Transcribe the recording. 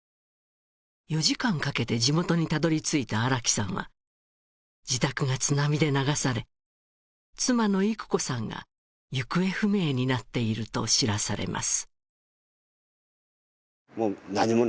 ４時間かけて地元にたどり着いた荒木さんは自宅が津波で流され妻のいく子さんが行方不明になっていると知らされます